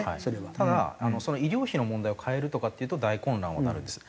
ただ医療費の問題を変えるとかっていうと大混乱はなるんです。